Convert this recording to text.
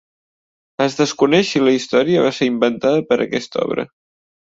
Es desconeix si la història va ser inventada per a aquesta obra.